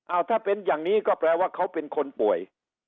เอาถ้าเป็นอย่างนี้ก็แปลว่าเขาเป็นคนป่วย